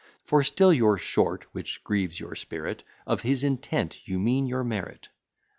For still you're short (which grieves your spirit) Of his intent: you mean your merit.